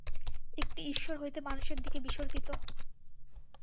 একটি ঈশ্বর হইতে মানুষের দিকে বিসর্পিত।